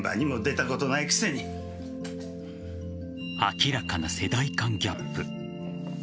明らかな世代間ギャップ。